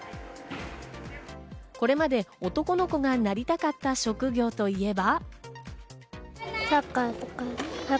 これまで男の子がなりたかった職業といえば。